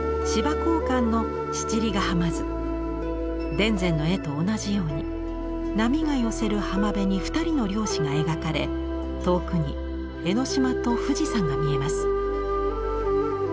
田善の絵と同じように波が寄せる浜辺に２人の漁師が描かれ遠くに江ノ島と富士山が見えます。